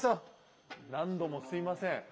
何度もすいません。